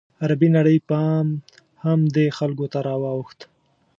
عربي نړۍ پام هم دې خلکو ته راواوښت.